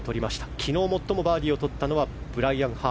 昨日、最もバーディーをとったのはブライアン。